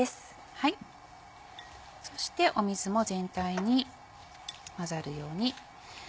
そして水も全体に混ざるように。